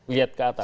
lihat ke atas